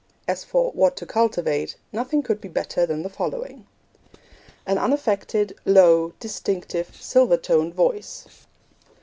As for 'What to Cultivate,' nothing could be better than the following: An unaffected, low, distinct, silver toned voice.